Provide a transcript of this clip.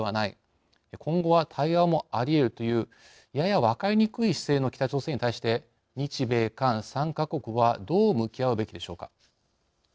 今後は対話もありえるというやや分かりにくい姿勢の北朝鮮に対して日米韓３か国はどう向き合うべきでしょうか。